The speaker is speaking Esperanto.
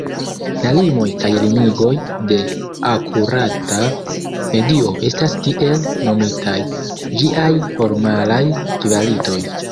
La limoj kaj limigoj de akurata medio estas tiel nomitaj ĝiaj formalaj kvalitoj.